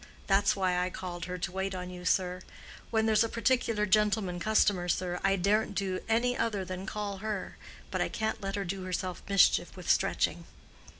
That's why I called her to wait on you, sir. When there's a particular gentleman customer, sir, I daren't do any other than call her. But I can't let her do herself mischief with stretching."